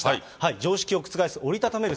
常識を覆す折り畳める